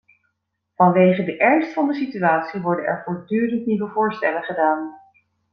Vanwege de ernst van de situatie worden er voortdurend nieuwe voorstellen gedaan.